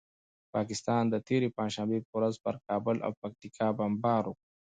پاکستان د تېرې پنجشنبې په ورځ پر کابل او پکتیکا بمبار وکړ.